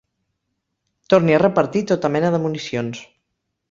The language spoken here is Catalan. Torni a repartir tota mena de municions.